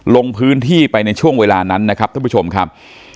ลงพื้นที่ไปในช่วงเวลานั้นนะครับท่านผู้ชมครับ